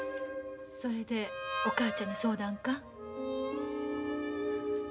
それでお母ちゃんに相談か？